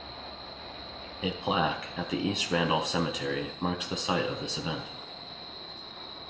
A plaque at the East Randolph cemetery marks the site of this event.